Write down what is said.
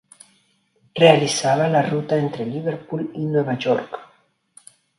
Realizaba la ruta entre Liverpool y Nueva York.